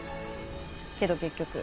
けど結局。